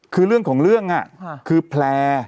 คือเรื่องของเรื่องคือแพลร์